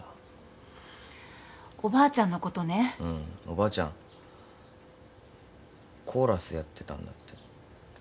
うんおばあちゃんコーラスやってたんだって。